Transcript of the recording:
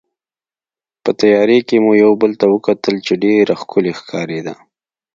په تیارې کې مو یو بل ته وکتل چې ډېره ښکلې ښکارېده.